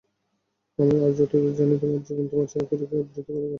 আর যতদূর জানি, তোমার জীবন তোমার চাকরিকে আবৃত করে ঘোরে।